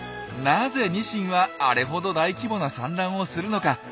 なぜニシンはあれほど大規模な産卵をするのか。